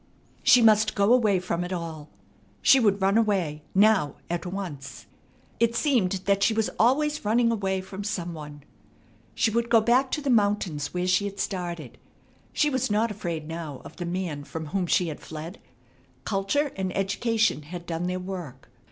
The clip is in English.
She must go away from it all. She would run away, now at once. It seemed that she was always running away from some one. She would go back to the mountains where she had started. She was not afraid now of the man from whom she had fled. Culture and education had done their work.